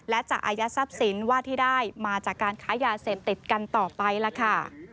และจะอายัดทรัพย์สินว่าที่ได้มาจากการค้ายาเสพติดกันต่อไปล่ะค่ะ